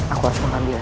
aku harus mengambilnya